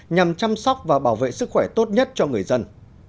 nhằm chăm sóc và bảo vệ sức khỏe tốt nhất cho người dân